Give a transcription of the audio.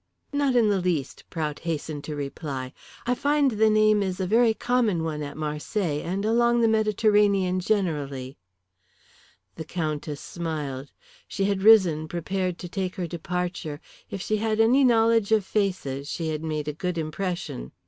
"Not in the least," Prout hastened to reply. "I find the name is a very common one at Marseilles, and along the Mediterranean generally." The Countess smiled. She had risen prepared to take her departure. If she had any knowledge of faces she had made a good impression.